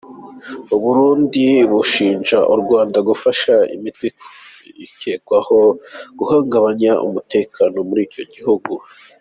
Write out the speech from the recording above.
U Burundi bushinja u Rwanda gufasha imitwe ikekwaho guhungabanya umutekano muri icyo gihugu.